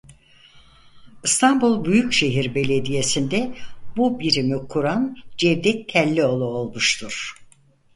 İstanbul Büyükşehir Belediyesi'nde bu birimi kuran Cevdet Tellioğlu olmuştur.